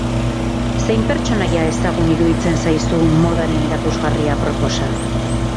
Zein pertsonaia ezagun iruditzen zaizu modaren erakusgarri aproposa?